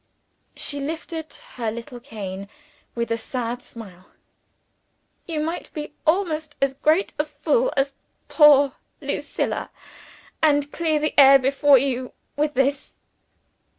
She lifted her little cane, with a sad smile. "You might be almost as great a fool as poor Lucilla, and clear the air before you with this!"